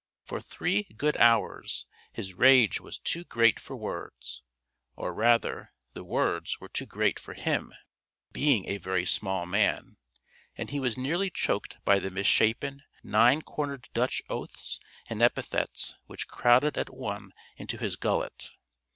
For three good hours his rage was too great for words, or rather the words were too great for him (being a very small man), and he was nearly choked by the misshapen, nine cornered Dutch oaths and epithets which crowded at one into his gullet.